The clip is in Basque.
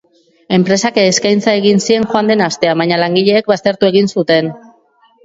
Enpresak eskaintza egin zien joan den astean, baina langileek baztertu egin zuten.